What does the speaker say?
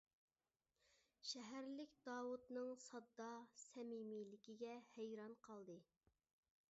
شەھەرلىك داۋۇتنىڭ ساددا، سەمىمىيلىكىگە ھەيران قالدى.